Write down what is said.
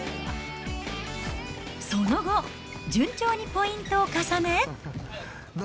その後、順調にポイントを重ね。